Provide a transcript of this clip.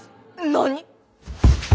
何！